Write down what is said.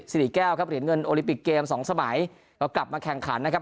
สิริแก้วครับเหรียญเงินโอลิปิกเกมสองสมัยก็กลับมาแข่งขันนะครับ